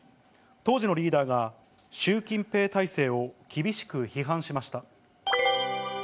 当時のリーダーが習近平体制を厳しく批判しました。